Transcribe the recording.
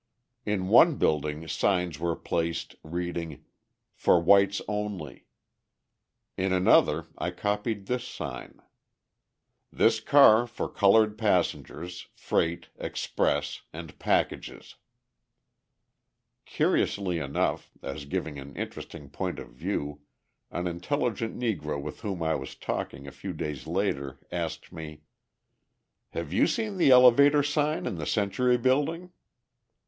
In one building, signs were placed reading: FOR WHITES ONLY In another I copied this sign: THIS CAR FOR COLOURED PASSENGERS, FREIGHT, EXPRESS AND PACKAGES Curiously enough, as giving an interesting point of view, an intelligent Negro with whom I was talking a few days later asked me: "Have you seen the elevator sign in the Century Building?"